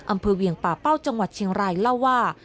อำเภอเวียงป่าเป้าจังหวัดเชียงรายเล่าว่า